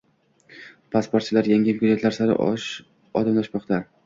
Parasportchilar “Yangi imkoniyatlar sari” odimlamoqdang